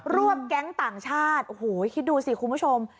วบแก๊งต่างชาติโอ้โหคิดดูสิคุณผู้ชม